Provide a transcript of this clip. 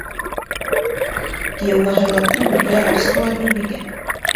Кейәүгә һайлап түгел, ярап сығалар, Гөлбикә.